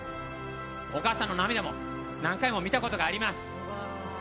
お母さんの涙も何回も見たことがあります。